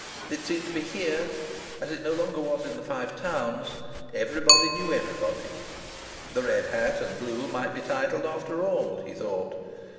It seemed to be here as it no longer was in the Five Towns; everybody knew everybody! The red hat and the blue might be titled, after all, he thought.